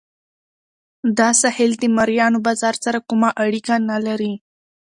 دا ساحل د مریانو بازار سره کومه اړیکه نه لرله.